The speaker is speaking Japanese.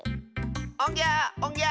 おんぎゃおんぎゃ！